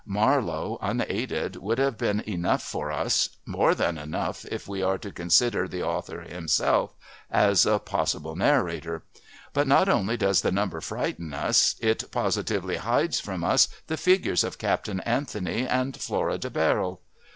Marlowe, unaided, would have been enough for us, more than enough if we are to consider the author himself as a possible narrator. But not only does the number frighten us, it positively hides from us the figures of Captain Anthony and Flora de Barrel.